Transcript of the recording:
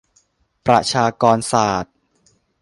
ประชากรศาสตร์